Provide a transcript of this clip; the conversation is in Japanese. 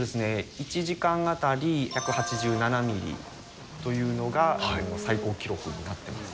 １時間当たり１８７ミリというのが最高記録になっています。